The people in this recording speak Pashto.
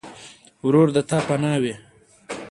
ورور د تا پناه وي.